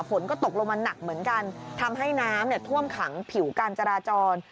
ฝนก็ตกลงมาหนักเหมือนกันทำให้น้ำท่วมขังผิวการจราจร